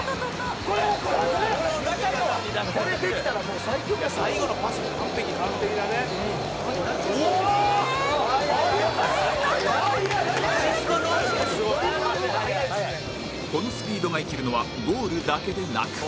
このスピードが生きるのはゴールだけでなく